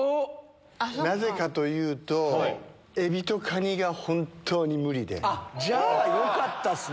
なぜかというと、エビとカニが本じゃあよかったっすね。